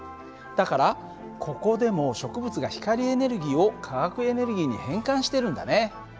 だからここでも植物が光エネルギーを化学エネルギーに変換してるんだね。